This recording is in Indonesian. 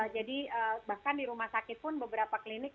jadi bahkan di rumah sakit pun beberapa klinik